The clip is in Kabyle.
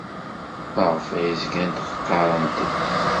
Maɣef ay zgant ɣɣarent-d?